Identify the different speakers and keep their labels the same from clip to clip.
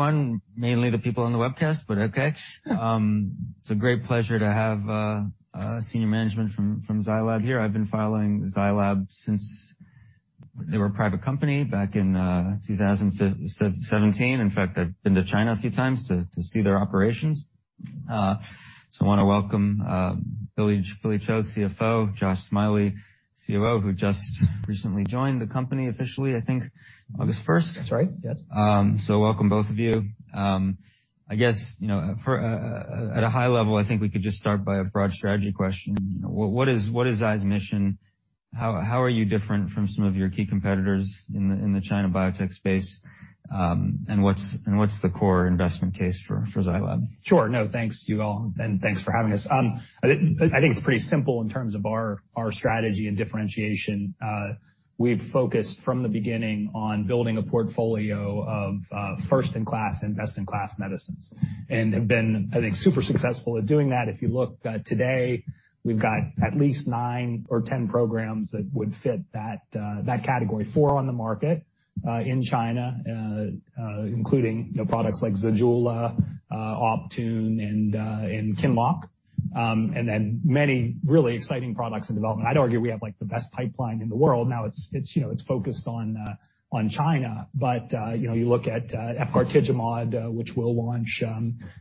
Speaker 1: One, mainly the people on the webcast, but okay. It's a great pleasure to have senior management from Zai Lab here. I've been following Zai Lab since they were a private company back in 2017. In fact, I've been to China a few times to see their operations. I wanna welcome Ki Chul Cho, CFO, Josh Smiley, COO, who just recently joined the company officially, I think August first.
Speaker 2: That's right, yes.
Speaker 1: Welcome both of you. I guess, you know, at a high level, I think we could just start by a broad strategy question. You know, what is Zai's mission? How are you different from some of your key competitors in the China biotech space? What's the core investment case for Zai Lab?
Speaker 2: Sure. No, thanks to you all, and thanks for having us. I think it's pretty simple in terms of our strategy and differentiation. We've focused from the beginning on building a portfolio of first-in-class and best-in-class medicines and have been, I think, super successful at doing that. If you look today, we've got at least nine or 10 programs that would fit that category, four on the market in China, including, you know, products like ZEJULA, Optune, and QINLOCK, and then many really exciting products in development. I'd argue we have, like, the best pipeline in the world. Now, it's you know, it's focused on China, but you know, you look at VYVGART, which we'll launch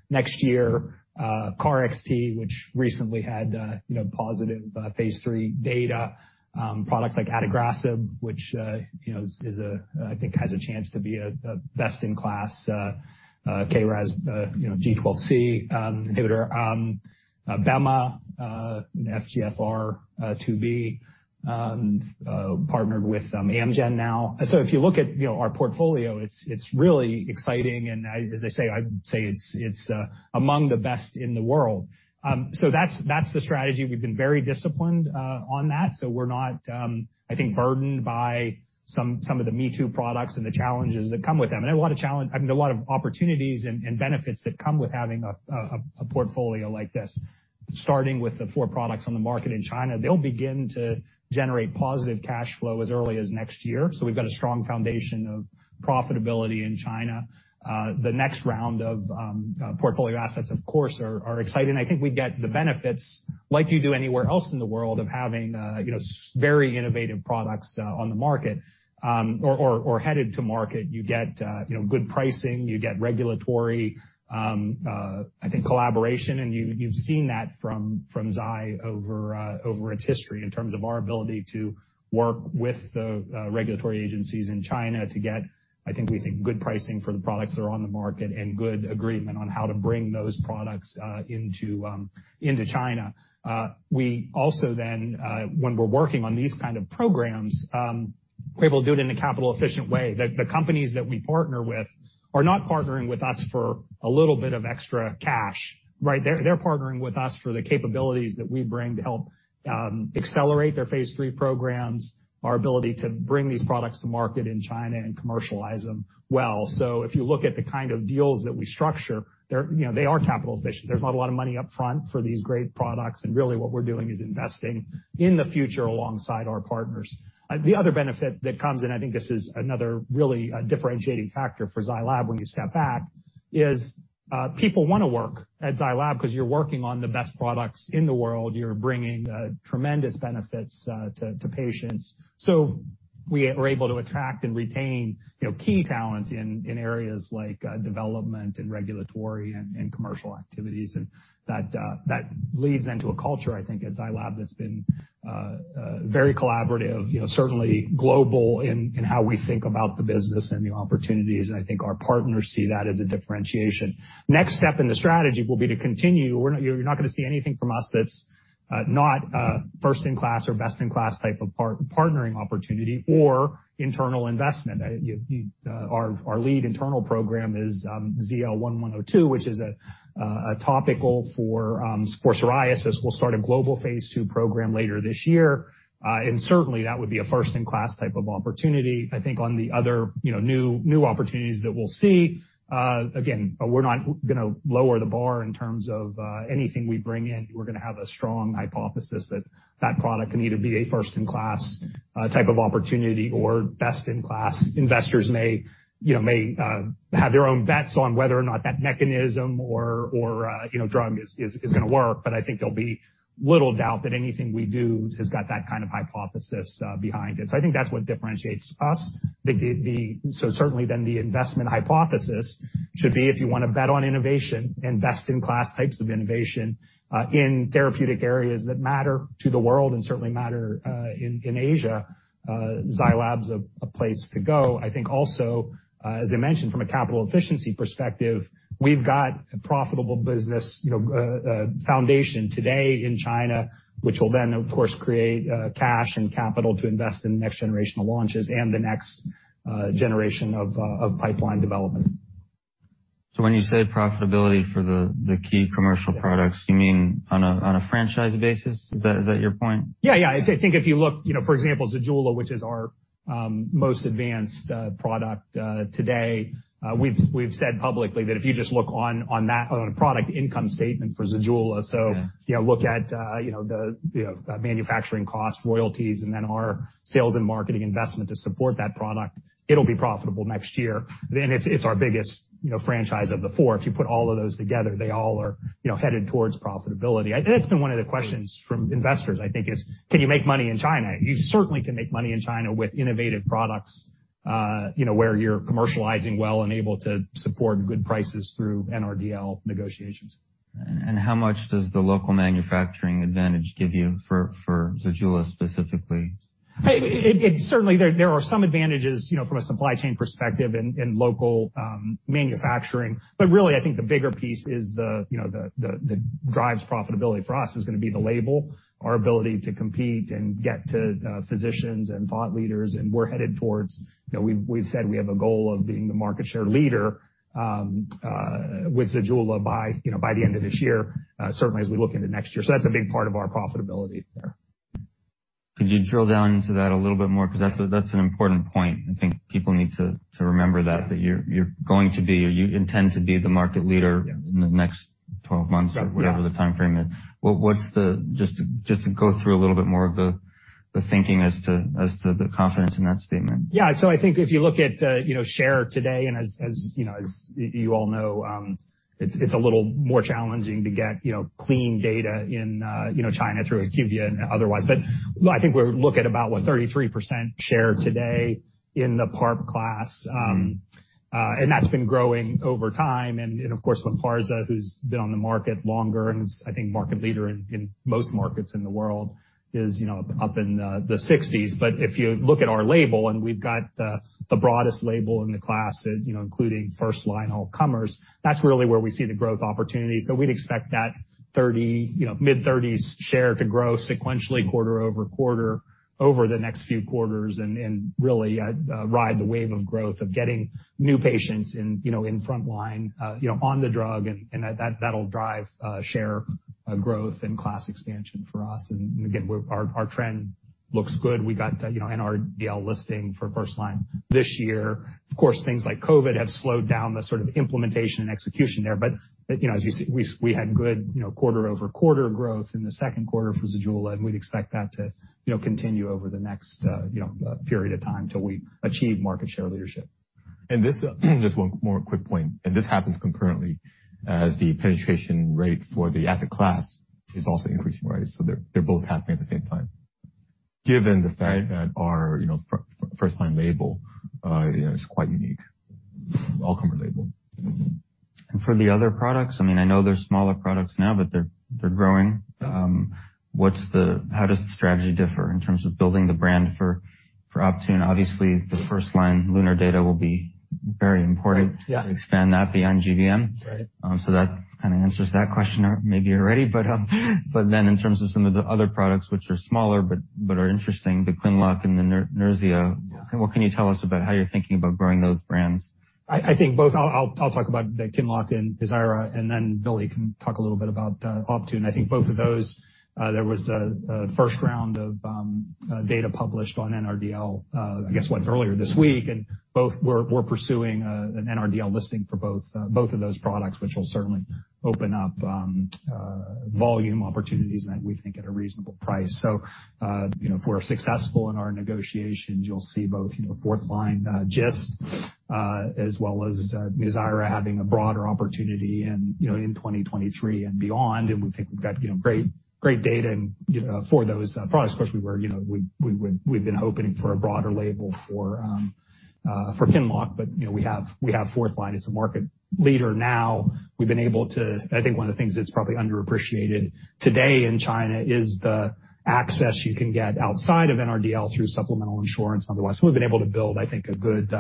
Speaker 2: next year, KarXT, which recently had you know, positive phase III data. Products like adagrasib, which you know, is, I think has a chance to be a best-in-class KRAS G12C inhibitor. Bema, an FGFR2b partnered with Amgen now. If you look at you know, our portfolio, it's really exciting, and as I say, I'd say it's among the best in the world. That's the strategy. We've been very disciplined on that, so we're not, I think, burdened by some of the me-too products and the challenges that come with them. I mean, a lot of opportunities and benefits that come with having a portfolio like this. Starting with the four products on the market in China, they'll begin to generate positive cash flow as early as next year, so we've got a strong foundation of profitability in China. The next round of portfolio assets, of course, are exciting. I think we get the benefits, like you do anywhere else in the world, of having, you know, very innovative products on the market or headed to market. You get, you know, good pricing, you get regulatory, I think collaboration, and you've seen that from Zai over its history in terms of our ability to work with the regulatory agencies in China to get, I think, good pricing for the products that are on the market and good agreement on how to bring those products into China. We also then, when we're working on these kind of programs, we're able to do it in a capital-efficient way. The companies that we partner with are not partnering with us for a little bit of extra cash, right? They're partnering with us for the capabilities that we bring to help accelerate their phase III programs, our ability to bring these products to market in China and commercialize them well. If you look at the kind of deals that we structure, they're, you know, they are capital efficient. There's not a lot of money up front for these great products, and really what we're doing is investing in the future alongside our partners. The other benefit that comes, and I think this is another really differentiating factor for Zai Lab when you step back, is, people wanna work at Zai Lab 'cause you're working on the best products in the world. You're bringing tremendous benefits to patients. We are able to attract and retain, you know, key talent in areas like development and regulatory and commercial activities. That leads into a culture, I think, at Zai Lab that's been very collaborative, you know, certainly global in how we think about the business and the opportunities, and I think our partners see that as a differentiation. Next step in the strategy will be to continue. You're not gonna see anything from us that's not first-in-class or best-in-class type of partnering opportunity or internal investment. Our lead internal program is ZL-1102, which is a topical for psoriasis. We'll start a global phase II program later this year, and certainly, that would be a first-in-class type of opportunity. I think on the other, you know, new opportunities that we'll see, again, we're not gonna lower the bar in terms of, anything we bring in. We're gonna have a strong hypothesis that that product can either be a first-in-class, type of opportunity or best-in-class. Investors may, you know, may, have their own bets on whether or not that mechanism or, you know, drug is gonna work, but I think there'll be little doubt that anything we do has got that kind of hypothesis, behind it. I think that's what differentiates us. Certainly then the investment hypothesis should be if you wanna bet on innovation and best-in-class types of innovation, in therapeutic areas that matter to the world and certainly matter, in Asia, Zai Lab's a place to go. I think also, as I mentioned from a capital efficiency perspective, we've got a profitable business, you know, foundation today in China, which will then, of course, create cash and capital to invest in the next generation of launches and the next generation of pipeline development.
Speaker 1: When you say profitability for the key commercial products, you mean on a franchise basis? Is that your point?
Speaker 2: Yeah, yeah. I think if you look, you know, for example, ZEJULA, which is our most advanced product today. We've said publicly that if you just look on that on a product income statement for ZEJULA, so.
Speaker 1: Yeah.
Speaker 2: You know, look at the manufacturing cost royalties and then our sales and marketing investment to support that product, it'll be profitable next year. It's our biggest franchise of the four. If you put all of those together, they all are headed towards profitability. I think that's been one of the questions from investors, can you make money in China? You certainly can make money in China with innovative products where you're commercializing well and able to support good prices through NRDL negotiations.
Speaker 1: How much does the local manufacturing advantage give you for ZEJULA specifically?
Speaker 2: Certainly there are some advantages, you know, from a supply chain perspective in local manufacturing. Really, I think the bigger piece is that drives profitability for us is gonna be the label, our ability to compete and get to physicians and thought leaders, and we're headed towards you know, we've said we have a goal of being the market share leader with ZEJULA by the end of this year, certainly as we look into next year. That's a big part of our profitability there.
Speaker 1: Could you drill down into that a little bit more? 'Cause that's an important point. I think people need to remember that you're going to be or you intend to be the market leader-
Speaker 2: Yeah.
Speaker 1: in the next 12 months.
Speaker 2: Sure, yeah.
Speaker 1: Whatever the timeframe is. Just to go through a little bit more of the thinking as to the confidence in that statement.
Speaker 2: Yeah. I think if you look at you know share today, and as you know, as you all know, it's a little more challenging to get you know clean data in you know China through IQVIA and otherwise. But I think we're looking at about what 33% share today in the PARP class. That's been growing over time. Of course, Lynparza, who's been on the market longer and is, I think, market leader in most markets in the world, is you know up in the 60s. But if you look at our label, and we've got the broadest label in the class, you know including first-line all comers, that's really where we see the growth opportunity. We'd expect that 30, you know, mid-30s share to grow sequentially quarter-over-quarter over the next few quarters and really ride the wave of growth of getting new patients in, you know, in front line, you know, on the drug, and that'll drive share growth and class expansion for us. Again, our trend looks good. We got, you know, NRDL listing for first line this year. Of course, things like COVID have slowed down the sort of implementation and execution there. You know, as you see, we had good, you know, quarter-over-quarter growth in the second quarter for ZEJULA, and we'd expect that to, you know, continue over the next, you know, period of time till we achieve market share leadership.
Speaker 3: This just one more quick point, and this happens concurrently as the penetration rate for the asset class is also increasing, right? They're both happening at the same time. Given the fact that our first line label is quite unique. Allcomer label.
Speaker 1: For the other products, I mean, I know they're smaller products now, but they're growing. How does the strategy differ in terms of building the brand for Optune? Obviously, the first-line LUNAR data will be very important.
Speaker 2: Right. Yeah.
Speaker 1: to expand that beyond GBM.
Speaker 2: Right.
Speaker 1: That kinda answers that question maybe already. In terms of some of the other products which are smaller but are interesting, the QINLOCK and the NUZYRA.
Speaker 2: Yeah.
Speaker 1: What can you tell us about how you're thinking about growing those brands?
Speaker 2: I think I'll talk about the QINLOCK and NUZYRA, and then Billy can talk a little bit about Optune. I think both of those, there was a first round of data published on NRDL, I guess earlier this week. Both we're pursuing an NRDL listing for both of those products, which will certainly open up volume opportunities and we think at a reasonable price. You know, if we're successful in our negotiations, you'll see both, you know, fourth line GIST as well as NUZYRA having a broader opportunity and, you know, in 2023 and beyond. We think we've got, you know, great data and, you know, for those products. Of course, we were, you know, we've been hoping for a broader label for QINLOCK, but, you know, we have fourth line as a market leader now. We've been able to. I think one of the things that's probably underappreciated today in China is the access you can get outside of NRDL through supplemental insurance otherwise. So we've been able to build, I think, a good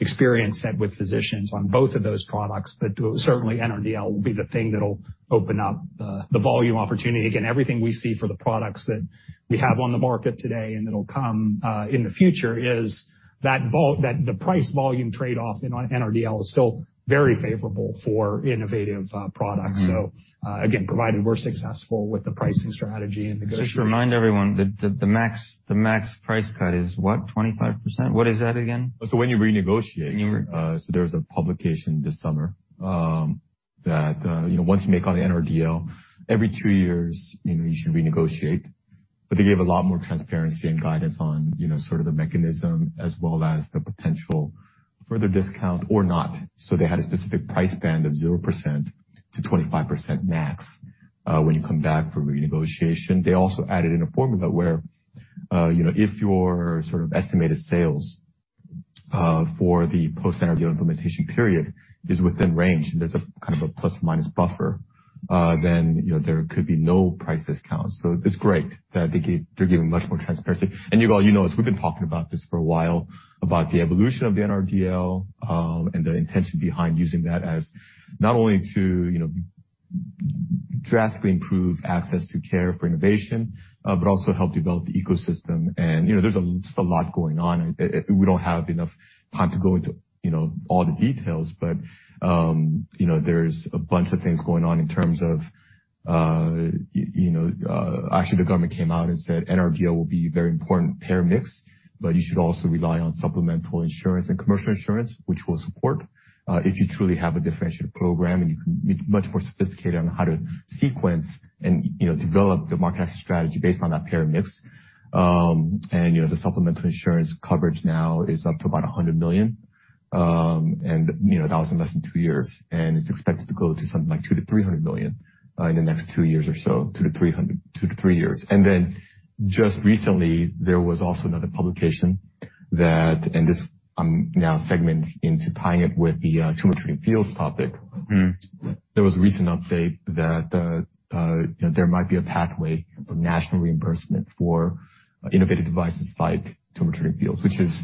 Speaker 2: experience set with physicians on both of those products, but certainly NRDL will be the thing that'll open up the volume opportunity. Again, everything we see for the products that we have on the market today and that'll come in the future is that the price volume trade-off in NRDL is still very favorable for innovative products.
Speaker 1: Mm-hmm.
Speaker 2: Again, provided we're successful with the pricing strategy and negotiations.
Speaker 1: Just remind everyone the max price cut is what? 25%? What is that again?
Speaker 3: When you renegotiate.
Speaker 1: Mm-hmm.
Speaker 3: There was a publication this summer, that, you know, once you make on the NRDL, every two years, you know, you should renegotiate. They gave a lot more transparency and guidance on, you know, sort of the mechanism as well as the potential further discount or not. They had a specific price band of 0%-25% max, when you come back for renegotiation. They also added in a formula where, you know, if your sort of estimated sales for the post-NRDL implementation period is within range, and there's a kind of a ± buffer, then, you know, there could be no price discount. It's great that they're giving much more transparency. Yigal, you know this, we've been talking about this for a while, about the evolution of the NRDL, and the intention behind using that as not only to, you know, drastically improve access to care for innovation, but also help develop the ecosystem. You know, there's just a lot going on. We don't have enough time to go into, you know, all the details, but you know, there's a bunch of things going on in terms of you know, actually the government came out and said NRDL will be a very important payer mix, but you should also rely on supplemental insurance and commercial insurance, which we'll support if you truly have a differentiated program and you can be much more sophisticated on how to sequence and, you know, develop the market access strategy based on that payer mix. The supplemental insurance coverage now is up to about $100 million. That was in less than two years, and it's expected to go to something like $200-$300 million in the next two years or so, two to three years. Just recently, there was also another publication that now segues into tying it with the Tumor Treating Fields topic.
Speaker 1: Mm-hmm.
Speaker 3: There was a recent update that, you know, there might be a pathway for national reimbursement for innovative devices like Tumor Treating Fields, which is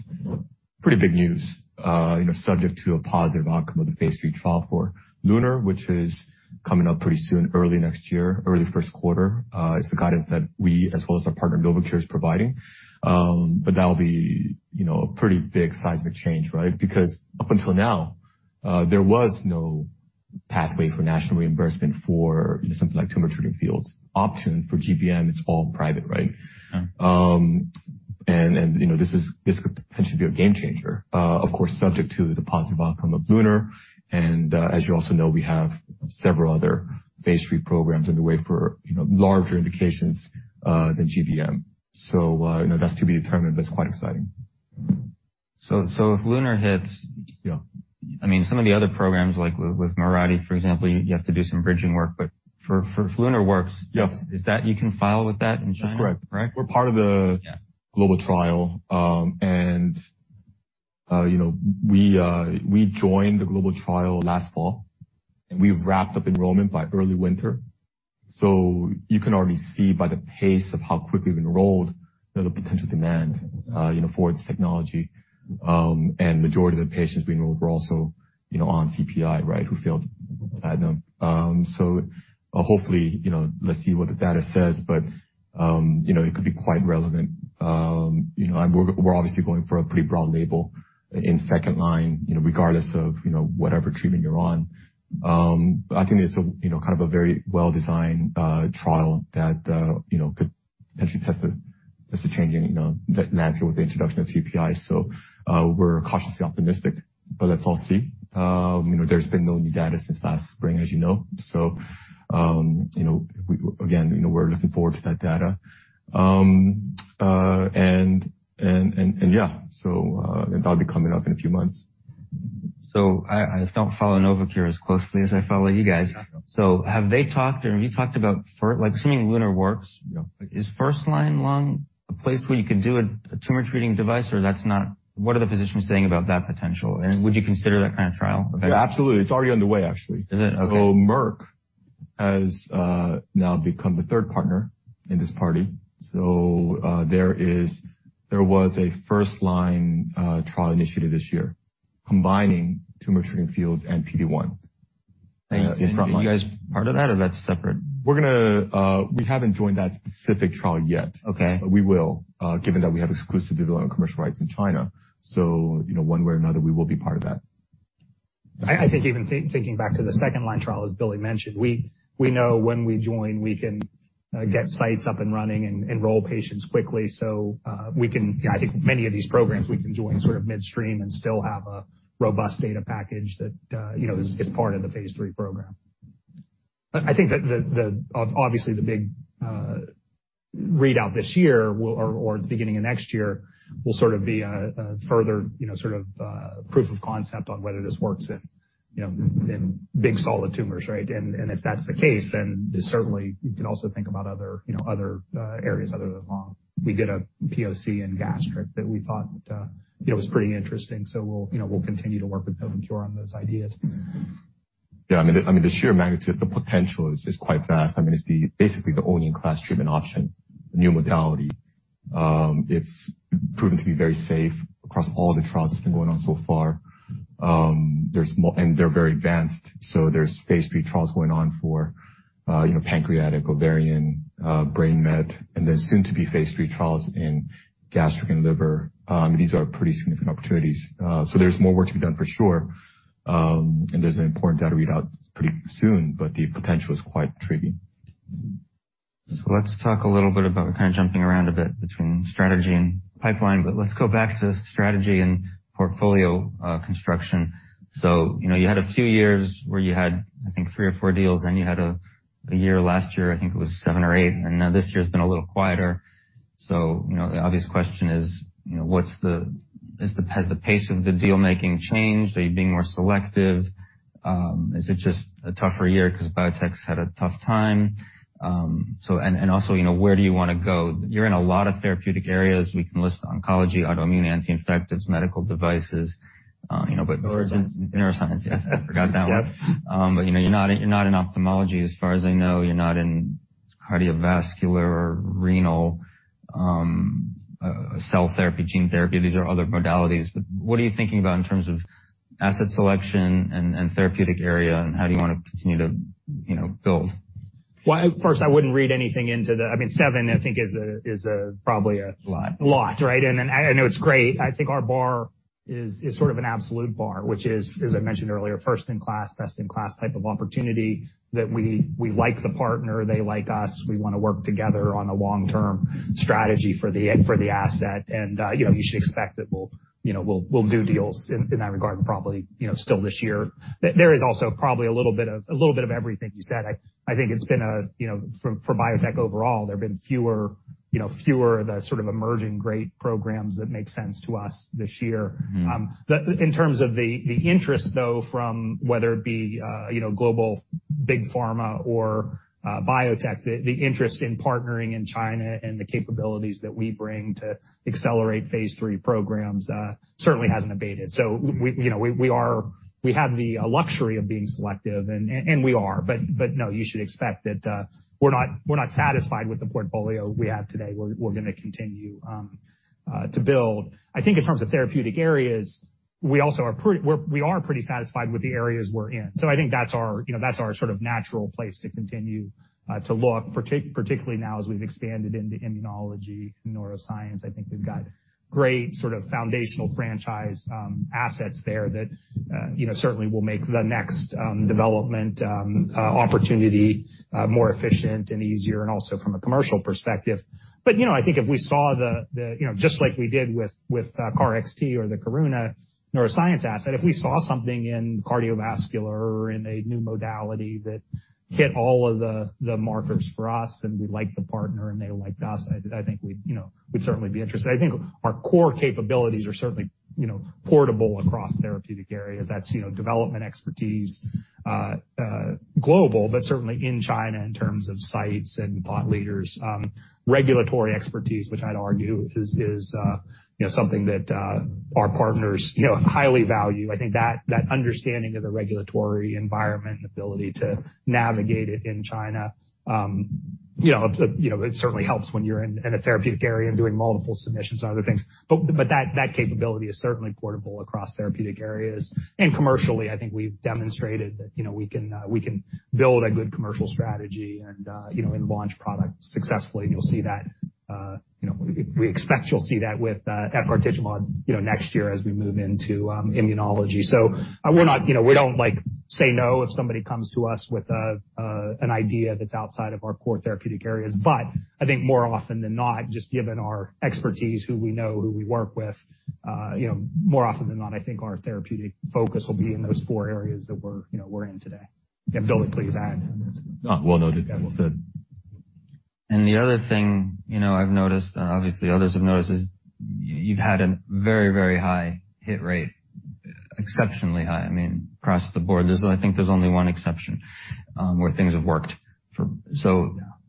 Speaker 3: pretty big news, you know, subject to a positive outcome of the phase III trial for LUNAR, which is coming up pretty soon, early next year, early first quarter, is the guidance that we as well as our partner Novocure is providing. That'll be, you know, a pretty big seismic change, right? Because up until now, there was no pathway for national reimbursement for something like Tumor Treating Fields. Optune for GBM, it's all private, right? And, you know, this is, this could potentially be a game changer. Of course, subject to the positive outcome of LUNAR. As you also know, we have several other phase III programs underway for, you know, larger indications than GBM. You know, that's to be determined, but it's quite exciting.
Speaker 1: If LUNAR hits.
Speaker 3: Yeah.
Speaker 1: I mean, some of the other programs, like with Mirati, for example, you have to do some bridging work, but if LUNAR works-
Speaker 3: Yeah.
Speaker 1: Is that, you can file with that in China?
Speaker 3: That's correct.
Speaker 1: Right.
Speaker 3: We're part of the-
Speaker 1: Yeah.
Speaker 3: Global trial. You know, we joined the global trial last fall. We've wrapped up enrollment by early winter. You can already see by the pace of how quickly we've enrolled the potential demand, you know, for this technology. Majority of the patients we enrolled were also, you know, on CPI, right, who failed platinum. Hopefully, you know, let's see what the data says, but, you know, it could be quite relevant. You know, we're obviously going for a pretty broad label in second line, you know, regardless of, you know, whatever treatment you're on. I think it's a, you know, kind of a very well-designed trial that, you know, could potentially test the changing, you know, the landscape with the introduction of CPI. We're cautiously optimistic, but let's all see. You know, there's been no new data since last spring, as you know. You know, we're looking forward to that data. And yeah. That'll be coming up in a few months.
Speaker 1: I don't follow Novocure as closely as I follow you guys. Have they talked or have you talked about like, assuming LUNAR works-
Speaker 3: Yeah.
Speaker 1: Is first line lung a place where you can do a tumor treating device or that's not? What are the physicians saying about that potential? Would you consider that kind of trial?
Speaker 3: Yeah, absolutely. It's already underway, actually.
Speaker 1: Is it? Okay.
Speaker 3: Merck has now become the third partner in this partnership. There was a first-line trial initiative this year combining tumor treating fields and PD-1.
Speaker 1: You guys part of that or that's separate?
Speaker 3: We haven't joined that specific trial yet.
Speaker 1: Okay.
Speaker 3: We will, given that we have exclusive development and commercial rights in China. You know, one way or another, we will be part of that.
Speaker 2: I think even thinking back to the second line trial, as Billy mentioned, we know when we join, we can get sites up and running and enroll patients quickly. We can, I think many of these programs we can join sort of midstream and still have a robust data package that you know is part of the phase III program. I think that the obviously the big readout this year will or the beginning of next year will sort of be a further you know sort of proof of concept on whether this works in you know in big solid tumors, right? If that's the case, then certainly you can also think about other you know other areas other than lung. We did a POC in gastric that we thought, you know, was pretty interesting. We'll, you know, continue to work with Novocure on those ideas.
Speaker 3: Yeah. I mean, the sheer magnitude, the potential is quite vast. I mean, it's basically the only in-class treatment option, new modality. It's proven to be very safe across all the trials that's been going on so far. There's more and they're very advanced, so there's phase III trials going on for you know, pancreatic, ovarian, brain met, and there's soon to be phase III trials in gastric and liver. These are pretty significant opportunities. There's more work to be done for sure. There's an important data readout pretty soon, but the potential is quite intriguing.
Speaker 1: Let's talk a little bit about kind of jumping around a bit between strategy and pipeline, but let's go back to strategy and portfolio construction. You know, you had a few years where you had, I think, three or four deals, then you had a year last year, I think it was seven or eight, and now this year's been a little quieter. You know, the obvious question is, you know, has the pace of the deal-making changed? Are you being more selective? Is it just a tougher year 'cause biotech's had a tough time? And also, you know, where do you wanna go? You're in a lot of therapeutic areas. We can list oncology, autoimmune, anti-infectives, medical devices, you know, but
Speaker 2: Neuroscience.
Speaker 1: Neuroscience, yeah. I forgot that one.
Speaker 2: Yep.
Speaker 1: You know, you're not in ophthalmology as far as I know. You're not in cardiovascular or renal, cell therapy, gene therapy. These are other modalities, but what are you thinking about in terms of asset selection and therapeutic area and how do you wanna continue to, you know, build?
Speaker 2: Well, first, I wouldn't read anything into the. I mean, 7 I think is probably a
Speaker 3: Lot.
Speaker 2: A lot, right? I know it's great. I think our bar is sort of an absolute bar, which is, as I mentioned earlier, first in class, best in class type of opportunity that we like the partner, they like us. We wanna work together on a long-term strategy for the asset. You know, you should expect that we'll do deals in that regard probably still this year. There is also probably a little bit of everything you said. I think it's been a, you know, for biotech overall, there have been fewer of the sort of emerging great programs that make sense to us this year.
Speaker 3: Mm-hmm.
Speaker 2: In terms of the interest though, from whether it be, you know, global big pharma or biotech, the interest in partnering in China and the capabilities that we bring to accelerate phase III programs certainly hasn't abated. We have the luxury of being selective and we are. But no, you should expect that we're not satisfied with the portfolio we have today. We're gonna continue to build. I think in terms of therapeutic areas, we also are pretty satisfied with the areas we're in. I think that's our sort of natural place to continue to look, particularly now as we've expanded into immunology, neuroscience. I think we've got great sort of foundational franchise assets there that you know certainly will make the next development opportunity more efficient and easier, and also from a commercial perspective. You know, I think if we saw the you know just like we did with KarXT or the Karuna neuroscience asset, if we saw something in cardiovascular or in a new modality that hit all of the markers for us and we liked the partner and they liked us, I think we'd you know we'd certainly be interested. I think our core capabilities are certainly you know portable across therapeutic areas. That's you know development expertise global but certainly in China in terms of sites and thought leaders. Regulatory expertise, which I'd argue is, you know, something that our partners, you know, highly value. I think that understanding of the regulatory environment and ability to navigate it in China, it certainly helps when you're in a therapeutic area and doing multiple submissions and other things. That capability is certainly portable across therapeutic areas. Commercially, I think we've demonstrated that we can build a good commercial strategy and launch products successfully. You'll see that we expect you'll see that with VYVGART next year as we move into immunology. We don't, like, say no if somebody comes to us with an idea that's outside of our core therapeutic areas. I think more often than not, just given our expertise, who we know, who we work with, you know, more often than not, I think our therapeutic focus will be in those four areas that we're, you know, we're in today. Yeah. Ki Chul Cho, please add.
Speaker 3: Well noted. Well said.
Speaker 1: The other thing, you know, I've noticed, and obviously others have noticed, is you've had a very, very high hit rate, exceptionally high, I mean, across the board. I think there's only one exception, where things have worked for.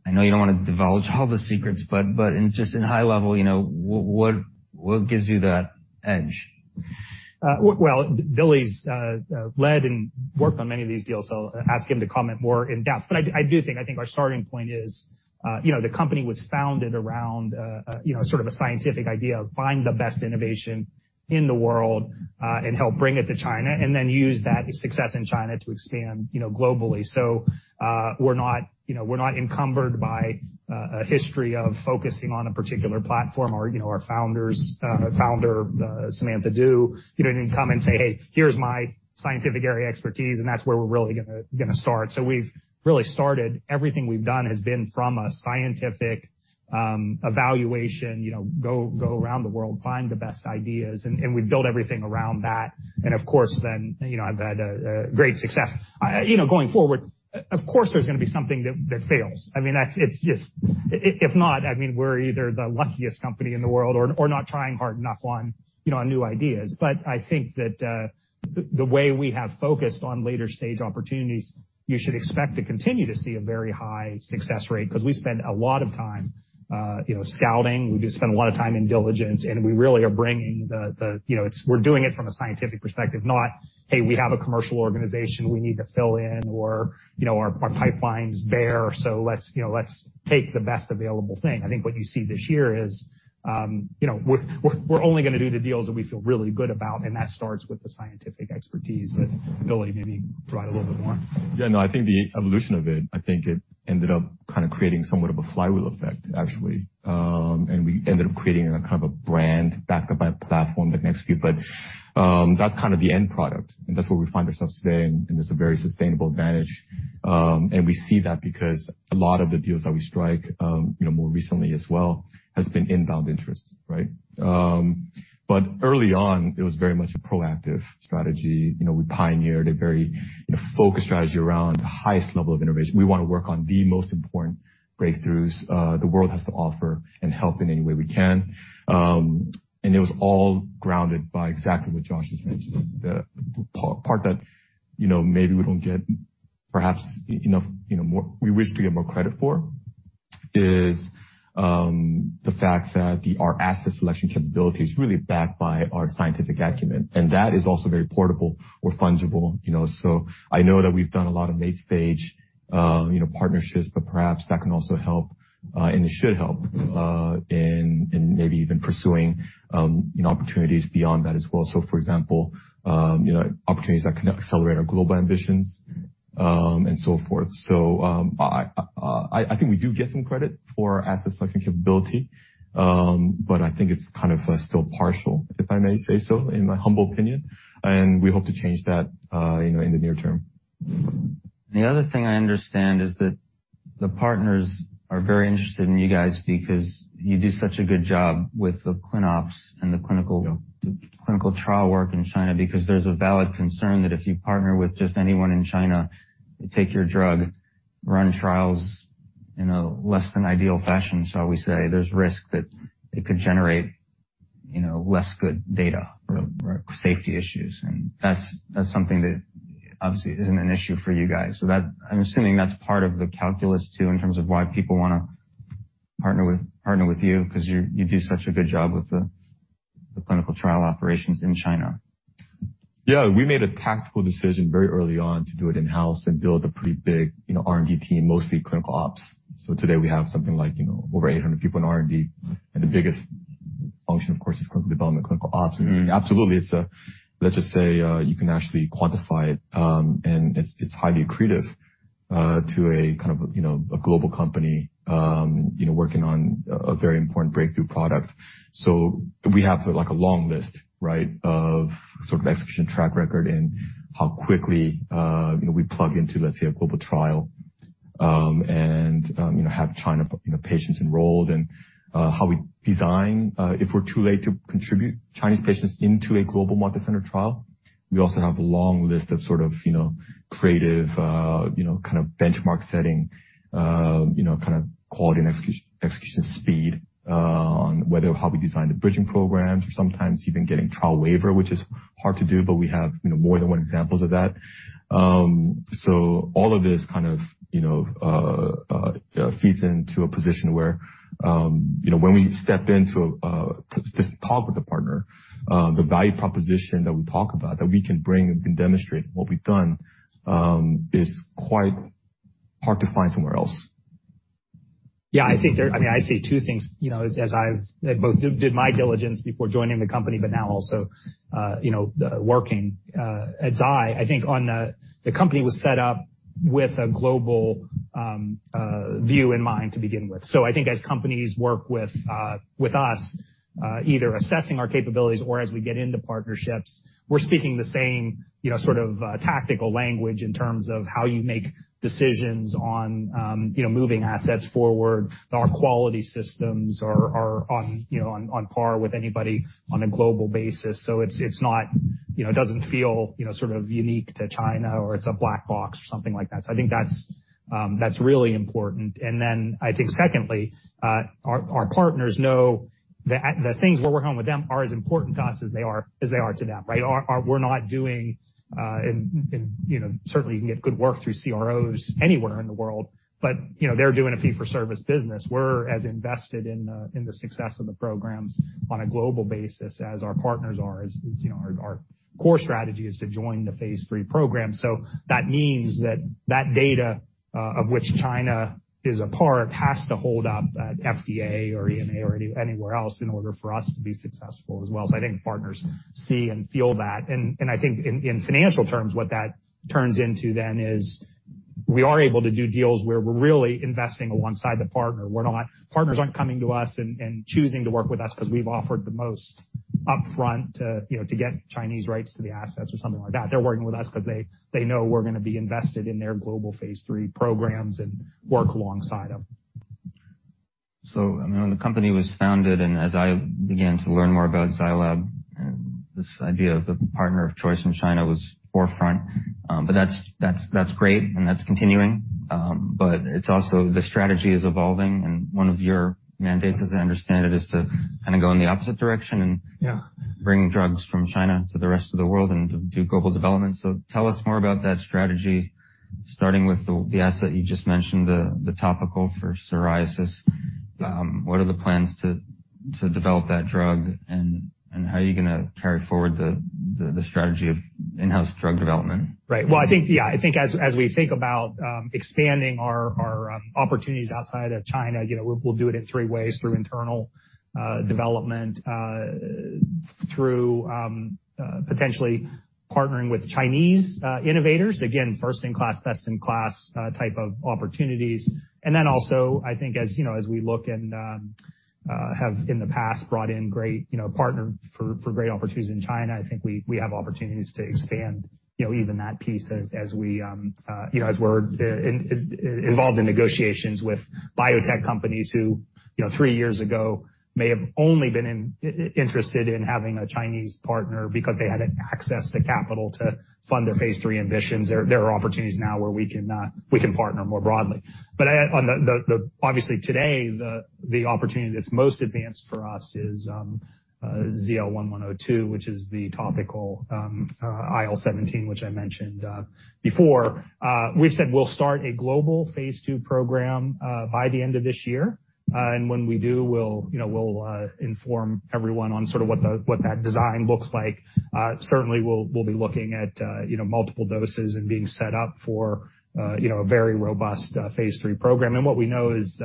Speaker 1: I know you don't wanna divulge all the secrets, but in just high level, you know, what gives you that edge?
Speaker 2: Well, Ki Chul Cho's led and worked on many of these deals, so I'll ask him to comment more in depth. I think our starting point is, you know, the company was founded around, you know, sort of a scientific idea of find the best innovation in the world, and help bring it to China and then use that success in China to expand, you know, globally. We're not, you know, we're not encumbered by, a history of focusing on a particular platform. Our founder, Samantha Du, she didn't come and say, "Hey, here's my scientific area expertise, and that's where we're really gonna start." We've really started. Everything we've done has been from a scientific evaluation. You know, go around the world, find the best ideas, and we build everything around that. Of course then, you know, I've had a great success. You know, going forward, of course, there's gonna be something that fails. I mean, that's it. It's just if not, I mean, we're either the luckiest company in the world or not trying hard enough on, you know, on new ideas. I think that the way we have focused on later stage opportunities, you should expect to continue to see a very high success rate 'cause we spend a lot of time, you know, scouting. We do spend a lot of time in diligence, and we really are bringing the you know we're doing it from a scientific perspective, not hey we have a commercial organization we need to fill in or you know our pipeline's bare so let's you know take the best available thing. I think what you see this year is you know we're only gonna do the deals that we feel really good about, and that starts with the scientific expertise that Billy maybe can provide a little bit more.
Speaker 3: Yeah, no, I think the evolution of it, I think it ended up kind of creating somewhat of a flywheel effect actually. We ended up creating a kind of a brand backed up by a platform that's next to you. That's kind of the end product, and that's where we find ourselves today, and it's a very sustainable advantage. We see that because a lot of the deals that we strike, you know, more recently as well, has been inbound interest, right? Early on, it was very much a proactive strategy. You know, we pioneered a very, you know, focused strategy around the highest level of innovation. We wanna work on the most important breakthroughs, the world has to offer and help in any way we can. It was all grounded by exactly what Josh just mentioned. The part that, you know, maybe we don't get perhaps enough, you know, we wish to get more credit for is the fact that our asset selection capability is really backed by our scientific acumen, and that is also very portable or fungible, you know. I know that we've done a lot of late stage, you know, partnerships, but perhaps that can also help, and it should help in maybe even pursuing, you know, opportunities beyond that as well. For example, you know, opportunities that can accelerate our global ambitions, and so forth. I think we do get some credit for asset selection capability, but I think it's kind of still partial, if I may say so, in my humble opinion, and we hope to change that, you know, in the near term.
Speaker 1: The other thing I understand is that the partners are very interested in you guys because you do such a good job with the clin ops and the clinical.
Speaker 3: Yeah.
Speaker 1: Clinical trial work in China, because there's a valid concern that if you partner with just anyone in China to take your drug, run trials in a less than ideal fashion, shall we say, there's risk that it could generate, you know, less good data or safety issues. That's something that obviously isn't an issue for you guys. That—I'm assuming that's part of the calculus too, in terms of why people wanna partner with you, 'cause you do such a good job with the clinical trial operations in China.
Speaker 3: Yeah. We made a tactical decision very early on to do it in-house and build a pretty big, you know, R&D team, mostly clinical ops. Today we have something like, you know, over 800 people in R&D, and the biggest function, of course, is clinical development, clinical ops. Absolutely. Let's just say you can actually quantify it, and it's highly accretive to a kind of, you know, a global company, you know, working on a very important breakthrough product. We have like a long list, right, of sort of execution track record and how quickly, you know, we plug into, let's say, a global trial, and you have Chinese, you know, patients enrolled and how we design if we're too late to contribute Chinese patients into a global multicenter trial. We also have a long list of sort of, you know, creative, you know, kind of benchmark setting, you know, kind of quality and execution speed, on whether how we design the bridging programs or sometimes even getting trial waiver, which is hard to do, but we have, you know, more than one examples of that. All of this kind of, you know, feeds into a position where, you know, when we step in to talk with the partner, the value proposition that we talk about that we can bring and can demonstrate what we've done, is quite hard to find somewhere else.
Speaker 2: Yeah. I mean, I see two things, you know, as I've both did my diligence before joining the company, but now also, you know, working at Zai. I think the company was set up with a global view in mind to begin with. I think as companies work with us, either assessing our capabilities or as we get into partnerships, we're speaking the same, you know, sort of tactical language in terms of how you make decisions on, you know, moving assets forward. Our quality systems are on, you know, on par with anybody on a global basis. It's not, you know, it doesn't feel, you know, sort of unique to China or it's a black box or something like that. I think that's really important. I think secondly, our partners know the things we're working on with them are as important to us as they are to them, right? We're not doing, and you know, certainly you can get good work through CROs anywhere in the world, but you know, they're doing a fee for service business. We're as invested in the success of the programs on a global basis as our partners are. You know, our core strategy is to join the phase III program. That means that that data, of which China is a part, has to hold up at FDA or EMA or anywhere else in order for us to be successful as well. I think partners see and feel that. I think in financial terms, what that turns into then is we are able to do deals where we're really investing alongside the partner. Partners aren't coming to us and choosing to work with us 'cause we've offered the most upfront to, you know, to get Chinese rights to the assets or something like that. They're working with us 'cause they know we're gonna be invested in their global phase III programs and work alongside them.
Speaker 1: I mean, when the company was founded, and as I began to learn more about Zai Lab, and this idea of the partner of choice in China was forefront. That's great and that's continuing. It's also the strategy is evolving and one of your mandates, as I understand it, is to kinda go in the opposite direction and-
Speaker 2: Yeah.
Speaker 1: Bring drugs from China to the rest of the world and do global development. Tell us more about that strategy, starting with the asset you just mentioned, the topical for psoriasis. What are the plans to develop that drug and how are you gonna carry forward the strategy of in-house drug development?
Speaker 2: Right. Well, I think, yeah. I think as we think about expanding our opportunities outside of China, you know, we'll do it in three ways through internal development, through potentially partnering with Chinese innovators. Again, first in class, best in class type of opportunities. Then also I think as, you know, as we look and have in the past brought in great, you know, partnered for great opportunities in China, I think we have opportunities to expand, you know, even that piece as we, you know, as we're involved in negotiations with biotech companies who, you know, three years ago may have only been interested in having a Chinese partner because they had no access to capital to fund their phase III ambitions. There are opportunities now where we can partner more broadly. Obviously today, the opportunity that's most advanced for us is ZL-1102, which is the topical IL-17, which I mentioned before. We've said we'll start a global phase II program by the end of this year. When we do, we'll, you know, inform everyone on sort of what that design looks like. Certainly we'll be looking at, you know, multiple doses and being set up for, you know, a very robust phase III program. What we know is,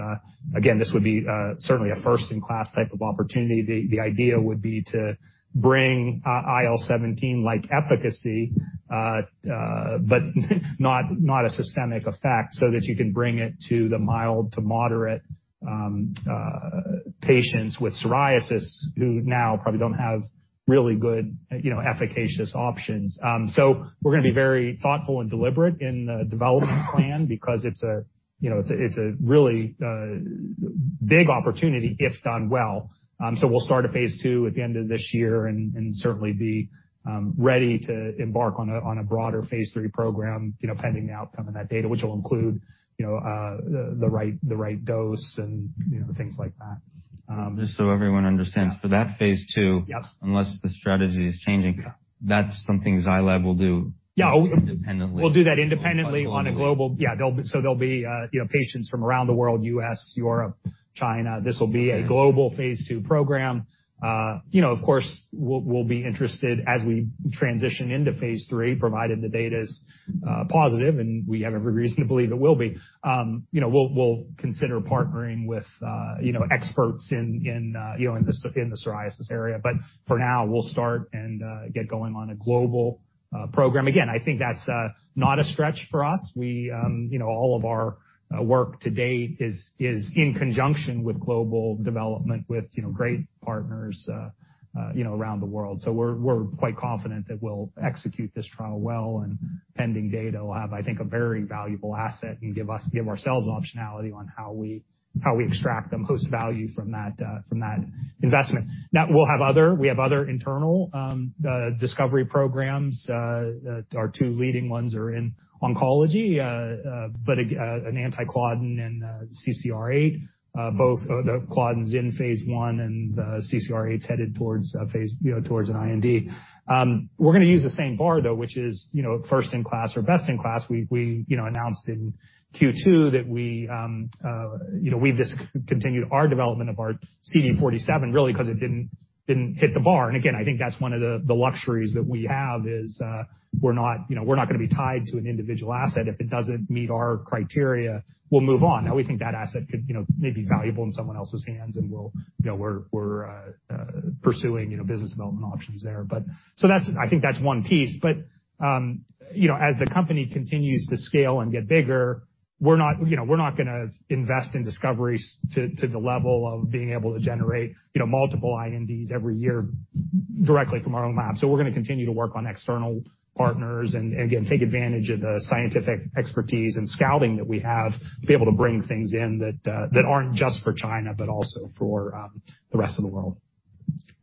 Speaker 2: again, this would be certainly a first-in-class type of opportunity. The idea would be to bring IL-17 like efficacy, but not a systemic effect so that you can bring it to the mild to moderate patients with psoriasis who now probably don't have really good, you know, efficacious options. We're gonna be very thoughtful and deliberate in the development plan because it's a, you know, really big opportunity if done well. We'll start a phase II at the end of this year and certainly be ready to embark on a broader phase III program, you know, pending the outcome of that data, which will include, you know, the right dose and, you know, things like that.
Speaker 1: Just so everyone understands. For that phase II-
Speaker 2: Yep.
Speaker 1: Unless the strategy is changing, that's something Zai Lab will do.
Speaker 2: Yeah.
Speaker 1: -independently.
Speaker 2: We'll do that independently on a global. Yeah. There'll be, you know, patients from around the world, U.S., Europe, China. This will be a global phase II program. You know, of course, we'll be interested as we transition into phase III, provided the data is positive, and we have every reason to believe it will be. You know, we'll consider partnering with, you know, experts in the psoriasis area. For now, we'll start and get going on a global program. Again, I think that's not a stretch for us. We, you know, all of our work to date is in conjunction with global development, with, you know, great partners, you know, around the world. We're quite confident that we'll execute this trial well, and pending data, we'll have, I think, a very valuable asset and give ourselves optionality on how we extract the most value from that investment. We have other internal discovery programs. Our two leading ones are in oncology, an anti-claudin and CCR8, both the claudins in phase I and the CCR8 is headed towards an IND. We're gonna use the same bar, though, which is, you know, first in class or best in class. We, you know, announced in Q2 that we, you know, we've discontinued our development of our CD47 really 'cause it didn't hit the bar. Again, I think that's one of the luxuries that we have is, we're not, you know, we're not gonna be tied to an individual asset. If it doesn't meet our criteria, we'll move on. Now, we think that asset could, you know, may be valuable in someone else's hands and we'll, you know, we're pursuing, you know, business development options there. That's. I think that's one piece. You know, as the company continues to scale and get bigger, we're not, you know, we're not gonna invest in discoveries to the level of being able to generate, you know, multiple INDs every year directly from our own lab. We're gonna continue to work on external partners and again take advantage of the scientific expertise and scouting that we have to be able to bring things in that aren't just for China, but also for the rest of the world.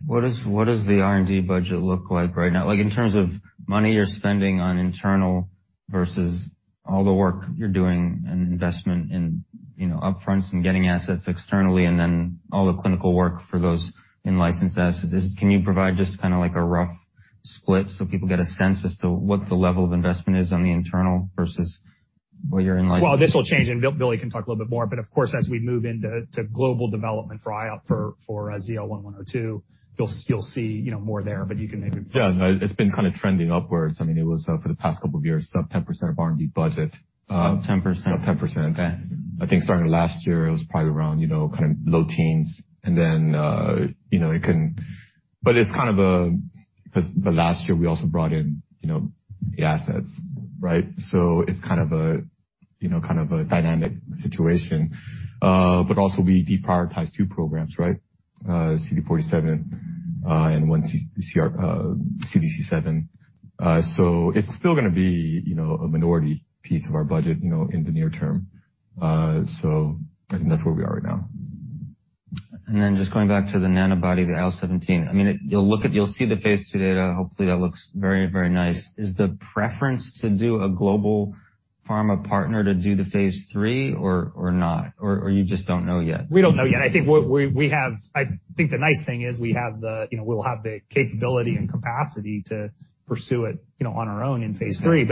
Speaker 2: What does the R&D budget look like right now? Like, in terms of money you're spending on internal versus all the work you're doing and investment in, you know, upfront and getting assets externally and then all the clinical work for those in-licensed assets. Can you provide just kinda like a rough split so people get a sense as to what the level of investment is on the internal versus what you're in licensing? Well, this will change, and Billy can talk a little bit more, but of course, as we move into global development for ZL-1102, you'll see, you know, more there, but you can maybe-
Speaker 3: Yeah. No, it's been kinda trending upwards. I mean, it was for the past couple of years, sub 10% of R&D budget.
Speaker 1: Sub 10%.
Speaker 3: Sub 10%.
Speaker 1: Okay.
Speaker 3: I think starting last year, it was probably around, you know, kind of low teens. You know, but it's kind of, but last year, we also brought in, you know, the assets, right? It's kind of a, you know, kind of a dynamic situation. Also we deprioritized two programs, right? CD47 and CDC7. It's still gonna be, you know, a minority piece of our budget, you know, in the near term. I think that's where we are right now.
Speaker 1: Then just going back to the nanobody, the IL-17. I mean, you'll see the phase II data. Hopefully, that looks very, very nice. Is the preference to do a global pharma partner to do the phase III or not? Or you just don't know yet?
Speaker 2: We don't know yet. I think the nice thing is we'll have the capability and capacity to pursue it, you know, on our own in phase III. If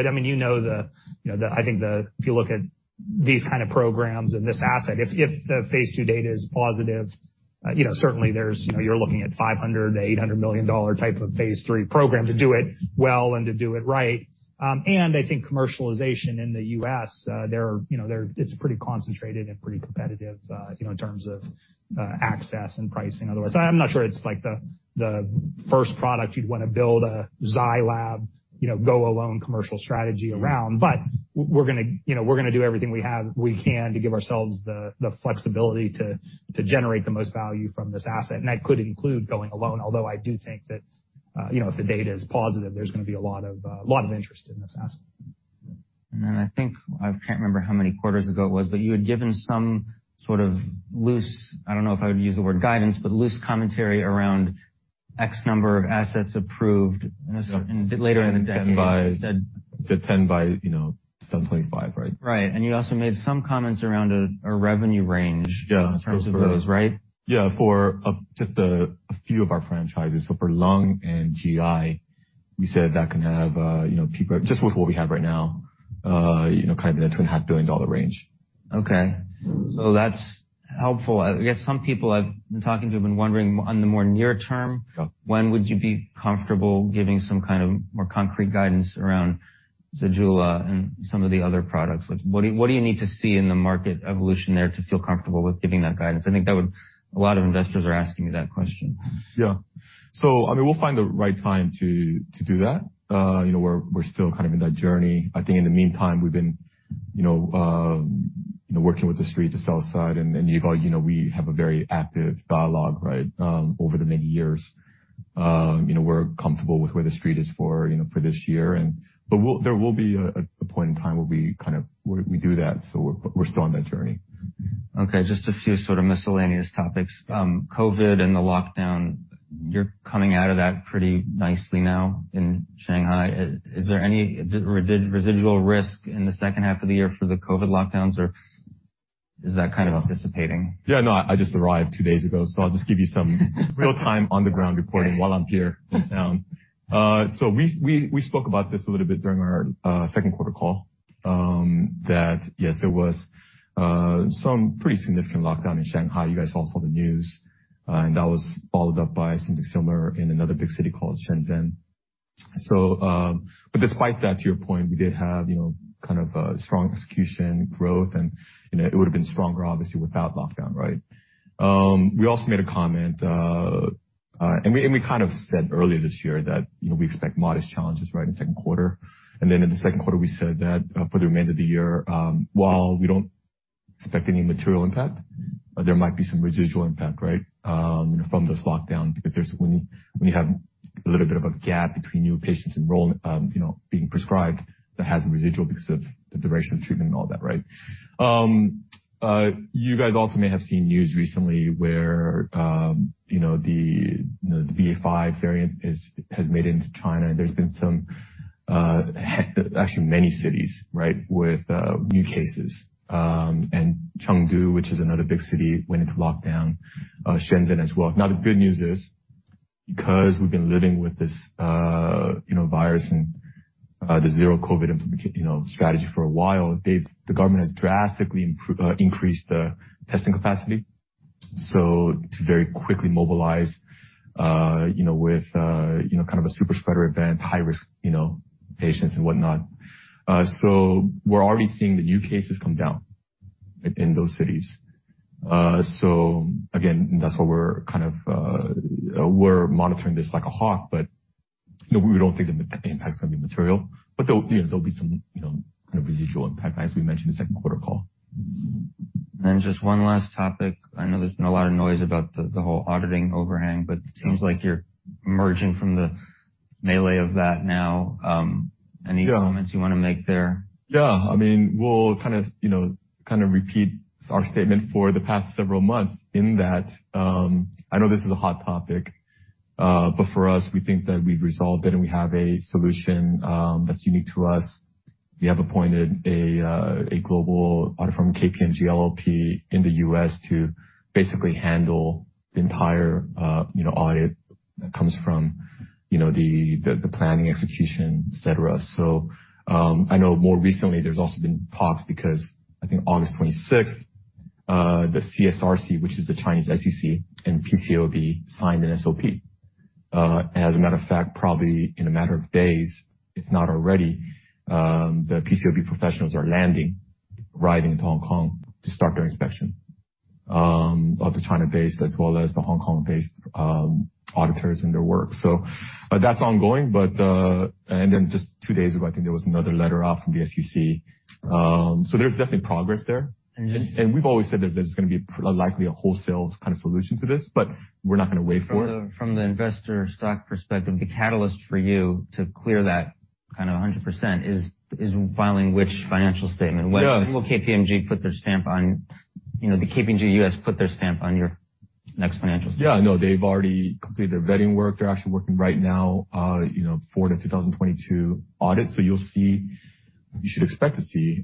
Speaker 2: you look at these kind of programs and this asset, if the phase II data is positive, you know, certainly there's, you know, you're looking at $500 million-$800 million type of phase III program to do it well and to do it right. I think commercialization in the U.S., it's pretty concentrated and pretty competitive, you know, in terms of access and pricing, otherwise. I'm not sure it's like the first product you'd wanna build a Zai Lab, you know, go alone commercial strategy around. We're gonna, you know, do everything we can to give ourselves the flexibility to generate the most value from this asset. That could include going alone. Although I do think that, you know, if the data is positive, there's gonna be a lot of interest in this asset.
Speaker 1: I think, I can't remember how many quarters ago it was, but you had given some sort of loose, I don't know if I would use the word guidance, but loose commentary around X number of assets approved in a s-
Speaker 3: Yeah.
Speaker 1: Later in the decade.
Speaker 3: Ten by-
Speaker 1: You said.
Speaker 3: 8/10 by, you know, 7/25, right?
Speaker 1: Right. You also made some comments around a revenue range.
Speaker 3: Yeah.
Speaker 1: In terms of those, right?
Speaker 3: Yeah. For just a few of our franchises. For lung and GI, we said that can have, you know, just with what we have right now, you know, kind of in a $2.5 billion range.
Speaker 1: Okay.
Speaker 3: Mm-hmm.
Speaker 1: That's helpful. I guess some people I've been talking to have been wondering on the more near term.
Speaker 3: Sure.
Speaker 1: When would you be comfortable giving some kind of more concrete guidance around ZEJULA and some of the other products? Like, what do you need to see in the market evolution there to feel comfortable with giving that guidance? I think that would. A lot of investors are asking me that question.
Speaker 3: Yeah. I mean, we'll find the right time to do that. You know, we're still kind of in that journey. I think in the meantime, we've been you know, working with the street to sell side and you know, we have a very active dialogue, right? You know, we're comfortable with where the street is for you know, for this year and but there will be a point in time where we do that. We're still on that journey.
Speaker 1: Okay. Just a few sort of miscellaneous topics. COVID and the lockdown, you're coming out of that pretty nicely now in Shanghai. Is there any residual risk in the second half of the year for the COVID lockdowns, or is that kind of dissipating?
Speaker 3: Yeah, no, I just arrived two days ago, so I'll just give you some real time on the ground reporting while I'm here in town. We spoke about this a little bit during our second quarter call, that yes, there was some pretty significant lockdown in Shanghai. You guys all saw the news. That was followed up by something similar in another big city called Shenzhen. Despite that, to your point, we did have, you know, kind of a strong execution growth and, you know, it would have been stronger obviously without lockdown, right? We also made a comment, and we kind of said earlier this year that, you know, we expect modest challenges right in the second quarter. In the second quarter we said that for the remainder of the year, while we don't expect any material impact, there might be some residual impact, right? From this lockdown because when you have a little bit of a gap between new patients being prescribed, that has a residual because of the duration of treatment and all that, right? You guys also may have seen news recently where you know, the BA.5 variant has made it into China, and there's been some, actually, many cities, right, with new cases. Chengdu, which is another big city, went into lockdown, Shenzhen as well. Now, the good news is, because we've been living with this, you know, virus and the zero COVID implementation, you know, strategy for a while, the government has drastically increased the testing capacity. To very quickly mobilize, you know, with you know kind of a super spreader event, high risk, you know, patients and whatnot. We're already seeing the new cases come down in those cities. Again, that's why we're kind of monitoring this like a hawk. No, we don't think the impact is gonna be material. There'll, you know, be some, you know, kind of residual impact as we mentioned in the second quarter call.
Speaker 1: Just one last topic. I know there's been a lot of noise about the whole auditing overhang, but it seems like you're emerging from the melee of that now. Any comments you wanna make there?
Speaker 3: Yeah. I mean, we'll kind of, you know, repeat our statement for the past several months in that, I know this is a hot topic, but for us, we think that we've resolved it and we have a solution, that's unique to us. We have appointed a global audit firm, KPMG LLP, in the U.S. to basically handle the entire, you know, audit that comes from, you know, the planning execution, et cetera. I know more recently there's also been talk because I think August 26, the CSRC, which is the Chinese SEC and PCAOB, signed an SOP. As a matter of fact, probably in a matter of days, if not already, the PCAOB professionals are landing, arriving into Hong Kong to start their inspection of the China-based as well as the Hong Kong-based auditors and their work. That's ongoing. Just two days ago, I think there was another letter out from the SEC. There's definitely progress there. We've always said that there's gonna be likely a wholesale kind of solution to this, but we're not gonna wait for it.
Speaker 1: From the investor stock perspective, the catalyst for you to clear that kind of a 100% is filing which financial statement?
Speaker 3: Yes.
Speaker 1: When will KPMG put their stamp on, you know, the KPMG U.S. put their stamp on your next financial statement?
Speaker 3: Yeah, no, they've already completed their vetting work. They're actually working right now, you know, for the 2022 audit. So you'll see. You should expect to see, you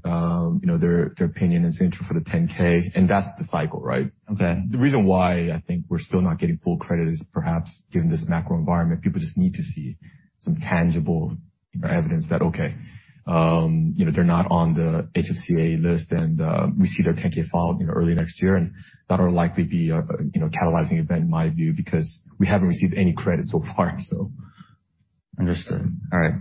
Speaker 3: know, their opinion and same is true for the 10-K. That's the cycle, right?
Speaker 1: Okay.
Speaker 3: The reason why I think we're still not getting full credit is perhaps given this macro environment, people just need to see some tangible evidence that, okay, you know, they're not on the HFCAA list and, we see their 10-K filed, you know, early next year, and that'll likely be a, you know, catalyzing event in my view, because we haven't received any credit so far.
Speaker 1: Understood. All right.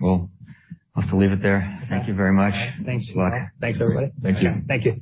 Speaker 1: Well, I'll have to leave it there. Thank you very much.
Speaker 3: Thanks.
Speaker 1: Thanks a lot.
Speaker 3: Thanks, everybody.
Speaker 1: Thank you.
Speaker 3: Thank you.